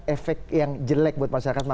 efek yang jelek buat masyarakat